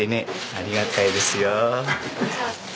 ありがたいですよ。